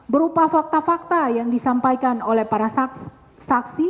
berupa fakta fakta yang disampaikan oleh para saksi